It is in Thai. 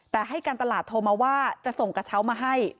แต่ให้การตลาดโทรมาว่าจะส่งกระเช้ามาให้